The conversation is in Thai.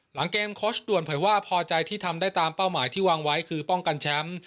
หลังเกมโค้ชด่วนเผยว่าพอใจที่ทำได้ตามเป้าหมายที่วางไว้คือป้องกันแชมป์